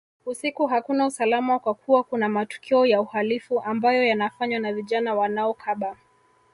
Usiku hakuna usalama kwa kuwa kuna matukio ya uhalifu ambayo yanafanywa na vijana wanaokaba